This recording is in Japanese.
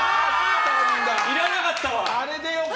いらなかったわ！